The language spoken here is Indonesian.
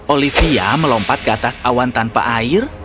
olivia melompat ke atas awan tanpa air